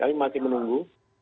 kami masih menunggu